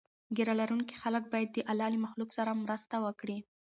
ږیره لرونکي خلک باید د الله له مخلوق سره مرسته وکړي.